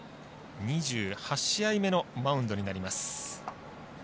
２８試合目のマウンドになります。